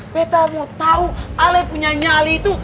beta mau tau ale punya nyali itu